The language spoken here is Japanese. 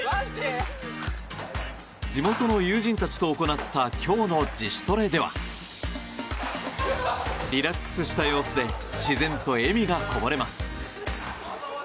地元の友人たちと行った今日の自主トレではリラックスした様子で自然と笑みがこぼれます。